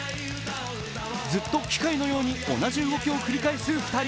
ずっと機械のように同じ動きを繰り返す２人。